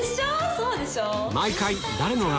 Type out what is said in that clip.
そうでしょ？